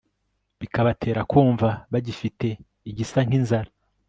bikabatera kumva bagifite igisa nkinzara